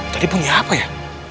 tadi bunyi apa ya